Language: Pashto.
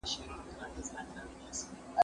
هغه وويل چي کښېناستل ضروري دي؟!